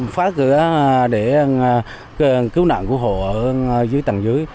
phát cửa để cứu nạn của hồ ở dưới tầng dưới